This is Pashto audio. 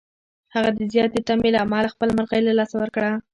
هغه د زیاتې تمې له امله خپله مرغۍ له لاسه ورکړه.